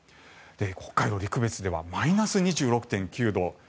北海道の陸別ではマイナス２６．９度